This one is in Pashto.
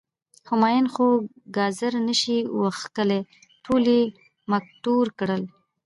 همایون خو ګازر نه شي وښکلی، ټول یی مټکور کړل.